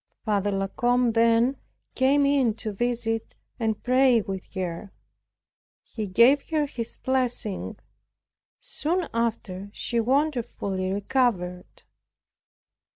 Father La Combe then came in to visit, and pray with her. He gave her his blessing; soon after she wonderfully recovered.